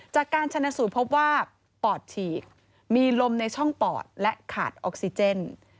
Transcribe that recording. จากการชนะสูตรพบว่าปอดฉีกมีลมในช่องปอดและขาดออกซิเจน